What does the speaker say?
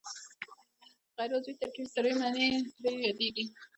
غیر عضوي ترکیبي سرې معدني سرې یادیږي.